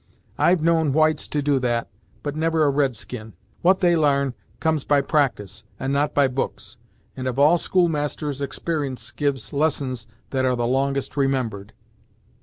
I've known whites to do that, but never a red skin. What they l'arn comes by practice, and not by books, and of all schoolmasters exper'ence gives lessons that are the longest remembered."